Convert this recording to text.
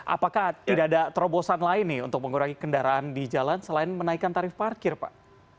apakah tidak ada terobosan lain nih untuk mengurangi kendaraan di jalan selain menaikkan tarif parkir pak